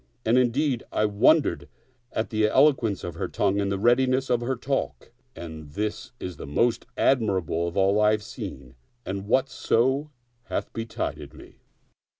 And indeed I wondered at the eloquence of her tongue afid the readi ness of her talk ; and this is the most admirable of all I have seen and of whatso hath betided me.